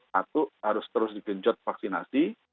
satu harus terus digenjot vaksinasi